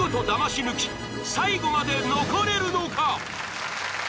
抜き最後まで残れるのか？］